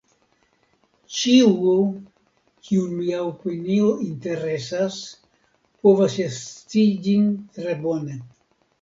Ĉiu, kiun mia opinio interesas, povas ja scii ĝin tre bone.